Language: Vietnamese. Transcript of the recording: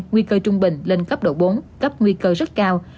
nguy cơ trung bình lên cấp độ bốn cấp nguy cơ rất cao